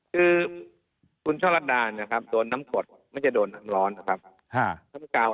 คือคุณช่อลัดดานะครับโดนน้ำกดไม่ใช่โดนน้ำร้อนนะครับ